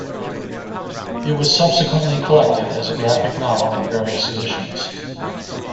It was subsequently collected as a graphic novel in various editions.